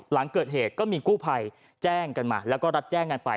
หลังเกิดเหตุก็มีกู้ภัยแจ้งกันมาแล้วก็รับแจ้งกันไป